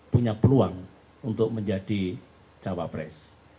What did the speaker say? punya peluang untuk menjadi cawapres